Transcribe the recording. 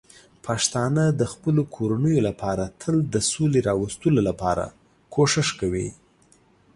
پښتانه د خپلو کورنیو لپاره تل د سولې راوستلو لپاره کوښښ کوي.